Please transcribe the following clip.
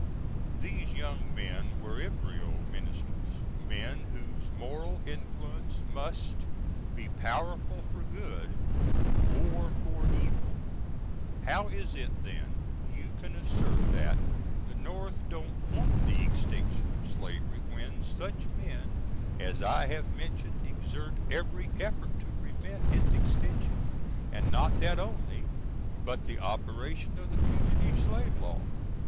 These young men were embryo Ministers men whose moral influence must be powerful for good or for evil. How is it then you can assert that the North don't want the extinction of slavery when such men as I have mentioned exert every effort to prevent its extension & not that only, but the operation of the _fugitive S. law?